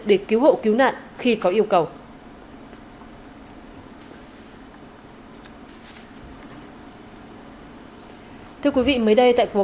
để cứu hộ cứu nạn khi có yêu cầu